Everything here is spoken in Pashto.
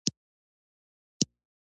که تاسو هر څه نه شئ کولای یو څه یې وکړئ.